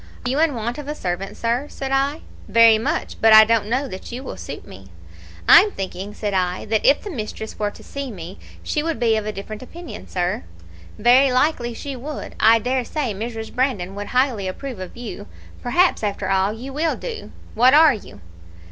"'Are you in want of a servant, sir?' said I. "'Very much; but I don't know that you will suit me.' "'I'm thinking,' said I, 'that if the mistress were to see me she would be of a different opinion, sir.' "'Very likely she would. I dare say Mrs. Brandon would highly approve of you. Perhaps, after all, you will do. What are you?'